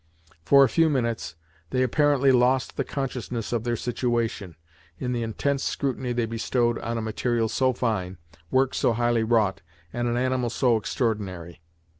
For a few minutes they apparently lost the consciousness of their situation, in the intense scrutiny they bestowed on a material so fine, work so highly wrought, and an animal so extraordinary.